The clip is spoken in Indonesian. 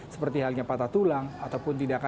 seperti halnya patah tulang ataupun tindakan